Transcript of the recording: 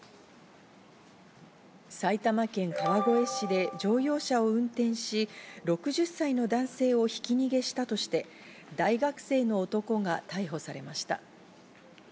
埼玉県川越市で乗用車を運転し、６０歳の男性をひき逃げしたとして、大学生の男が逮捕されました。